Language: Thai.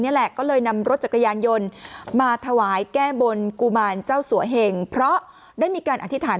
นี่แหละก็เลยนำรถจักรยานยนต์มาถวายแก้บนกุมารเจ้าสัวเหงเพราะได้มีการอธิษฐาน